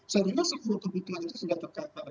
seharusnya semua kebutuhan itu sudah terkatakan